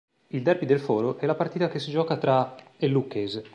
Il derby del foro è la partita che si gioca tra e Lucchese.